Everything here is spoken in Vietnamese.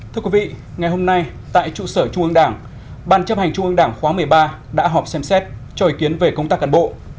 thưa quý vị ngày hôm nay tại trụ sở trung ương đảng ban chấp hành trung ương đảng khóa một mươi ba đã họp xem xét cho ý kiến về công tác cán bộ